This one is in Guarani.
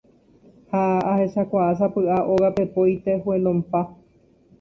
ha ahechakuaa sapy'a óga pepo itejuelon-pa